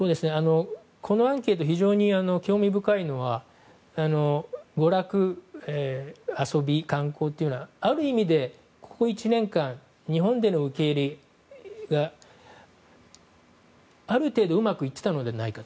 このアンケートは非常に興味深いのは娯楽、遊び・観光というのはある意味でここ１年間、日本での受け入れがある程度、うまくいっていたのではないかと。